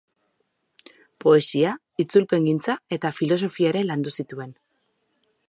Poesia, itzulpengintza eta filosofia ere landu zituen.